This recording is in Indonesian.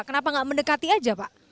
kenapa nggak mendekati aja pak